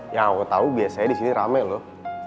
yang aku tahu biasanya di sini rame loh